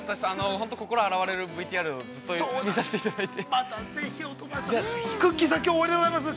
とても心の洗われるＶＴＲを見させていただいて。